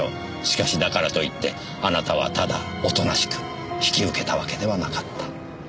しかしだからといってあなたはただおとなしく引き受けたわけではなかった。